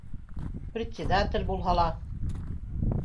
Председатель булһа ла